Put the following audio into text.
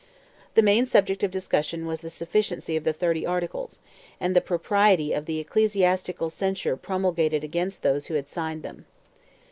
The main subject of discussion was the sufficiency of the Thirty Articles, and the propriety of the ecclesiastical censure promulgated against those who had signed them.